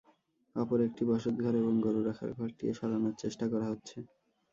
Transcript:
অপর একটি বসতঘর এবং গরু রাখার ঘরটিও সরানোর চেষ্টা করা হচ্ছে।